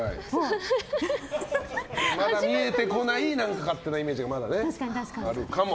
まだ見えてこない勝手なイメージがまだあるかも。